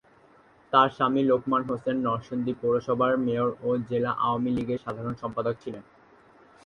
তার স্বামী লোকমান হোসেন নরসিংদী পৌরসভার মেয়র ও জেলা আওয়ামী লীগের সাধারণ সম্পাদক ছিলেন।